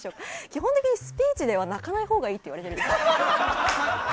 基本的にスピーチでは泣かないほうがいいっていわれてるんですよ。